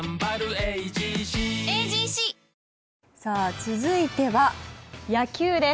続いては、野球です。